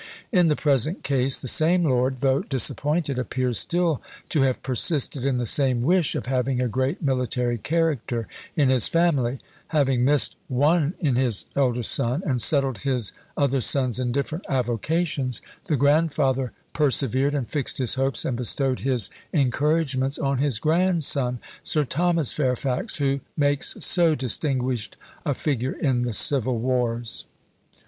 In the present case the same lord, though disappointed, appears still to have persisted in the same wish of having a great military character in his family: having missed one in his elder son, and settled his other sons in different avocations, the grandfather persevered, and fixed his hopes, and bestowed his encouragements, on his grandson, Sir Thomas Fairfax, who makes so distinguished a figure in the civil wars.